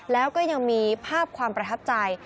แล้วก็ยังมีภาพความประทับใจ